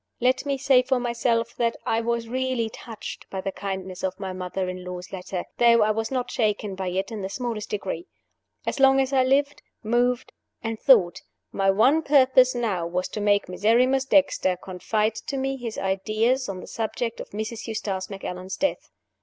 Let me say for myself that I was really touched by the kindness of my mother in law's letter, though I was not shaken by it in the smallest degree. As long as I lived, moved, and thought, my one purpose now was to make Miserrimus Dexter confide to me his ideas on the subject of Mrs. Eustace Macallan's death.